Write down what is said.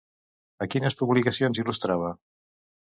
A quines publicacions il·lustrava?